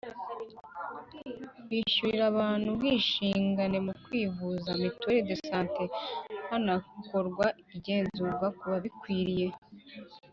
Wishyurira abantu ubwisungane mu kwivuza [mutuelle de sante] hanakorwa igenzura kubabikwiye